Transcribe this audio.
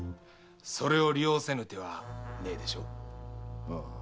それを利用せぬ手はねえでしょ？ああ。